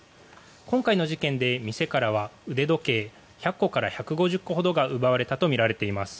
今回の事件で店からは腕時計１００個から１５０個ほどが奪われたとみられています。